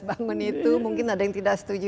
bangun itu mungkin ada yang tidak setuju